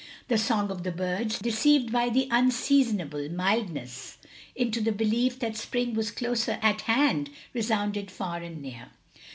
The song of the birds, deceived by the tin seasonable mildness into the belief that spring was closer at hand, resounded far and near.